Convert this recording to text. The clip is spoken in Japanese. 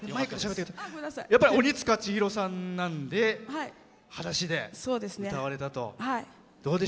鬼束ちひろさんなんではだしで歌われたと。